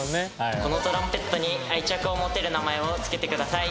このトランペットに愛着を持てる名前を付けてください！